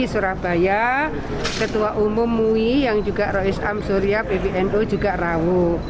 rsi surabaya ketua umum mui yang juga risam surya pbno juga rawu